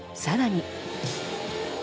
更に。